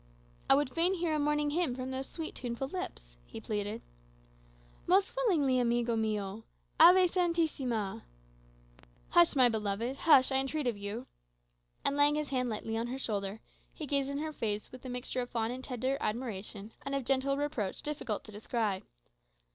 "I would fain hear a morning hymn from those sweet, tuneful lips," he pleaded. "Most willingly, amigo mio, 'Sanctissima '" "Hush, my beloved; hush, I entreat of you." And laying his hand lightly on her shoulder, he gazed in her face with a mixture of fond and tender admiration and of gentle reproach difficult to describe.